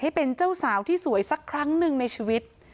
ให้เป็นเจ้าสาวที่สวยสักครั้งหนึ่งในชีวิต